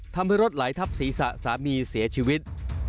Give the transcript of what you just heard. ทำให้รถไหลทับศีรษะสามีเสียชีวิต